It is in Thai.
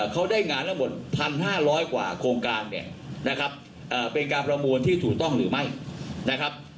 เขาได้งานทั้งหมด๑๕๐๐กว่าโครงการเนี่ยนะครับเป็นการประมวลที่ถูกต้องหรือไม่นะครับ